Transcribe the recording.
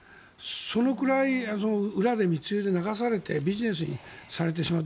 それくらい裏で密輸で流されてビジネスにされてしまう。